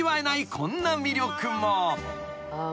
こんな魅力も］